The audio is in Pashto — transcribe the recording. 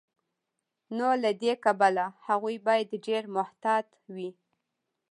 نو له دې کبله هغوی باید ډیر محتاط وي.